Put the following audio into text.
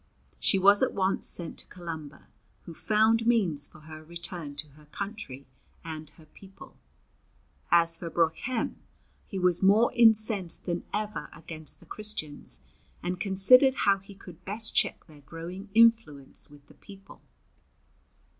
She was at once sent to Columba, who found means for her return to her country and her people. As for Broichem, he was more incensed than ever against the Christians, and considered how he could best check their growing influence with the people.